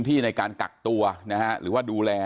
นี่นี่นี่